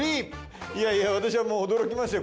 いやいや私はもう驚きましたよ